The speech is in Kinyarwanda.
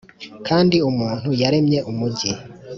kandi umuntu yaremye umujyi!